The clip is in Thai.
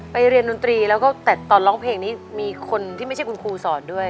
เรียนดนตรีแล้วก็แต่ตอนร้องเพลงนี้มีคนที่ไม่ใช่คุณครูสอนด้วย